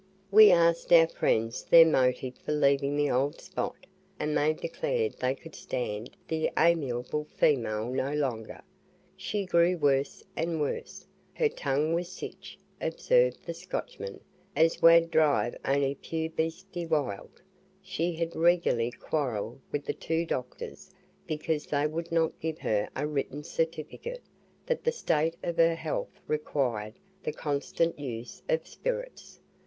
We asked our friends their motive for leaving the old spot, and they declared they could stand the "amiable female" no longer; she grew worse and worse. "Her tongue was sich" observed the Scotchman, "as wad drive ony puir beastie wild." She had regularly quarrelled with the two doctors because they would not give her a written certificate, that the state of her health required the constant use of spirits.